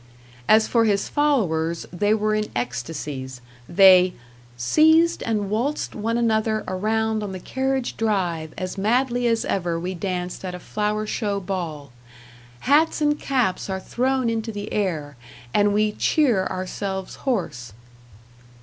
As for his followers, they were in ecstacies; they "seized and waltzed one another around on the carriage drive as madly as ever we danced at a flower show ball. Hats and caps are thrown into the air, and we cheer ourselves hoarse."